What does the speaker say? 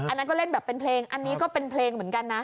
อันนั้นก็เล่นแบบเป็นเพลงอันนี้ก็เป็นเพลงเหมือนกันนะ